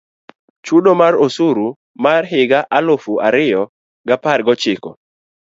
Chudo mar osuru mar higa mar eluf ario gi apar gi ochiko